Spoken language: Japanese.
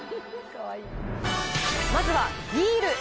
まずはビール。